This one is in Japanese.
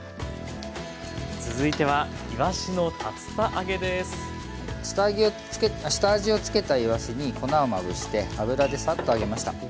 続いては下味をつけたいわしに粉をまぶして油でサッと揚げました。